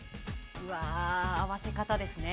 合わせ方ですね。